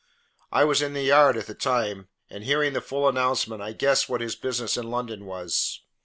I was in the yard at the time, and hearing the full announcement I guessed what his business in London was.